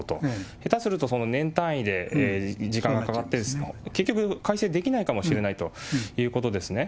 下手すると年単位で時間がかかって、結局、改正できないかもしれないということですね。